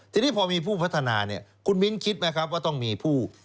ทีนี้พอมีผู้พัฒนาเนี่ยคุณมิ้นคิดไหมครับว่าต้องมีผู้